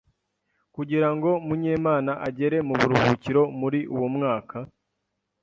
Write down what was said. kugirango munyemana agere mu buruhukiro muri uwo mwaka,